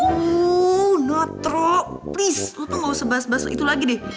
uh natro please lo tuh ga usah baso baso itu lagi deh